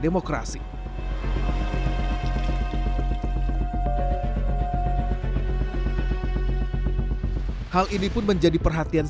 pemimpin pun juga seperti itu